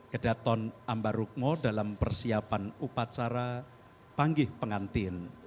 kedaton ambarukmo dalam persiapan upacara panggih pengantin